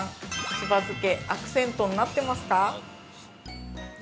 柴漬け、アクセントになってますか？